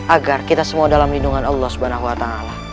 agar kita semua dalam lindungan allah subhanahu wa ta'ala